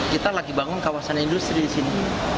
kita lagi bangun kawasan industri di sini